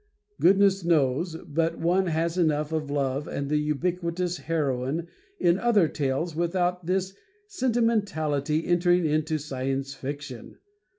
Goodness knows, but one has enough of love and the ubiquitous heroine in other tales without this sentimentality entering into Science Fiction.